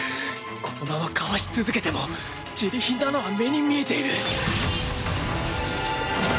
このままかわし続けてもジリ貧なのは目に見えている。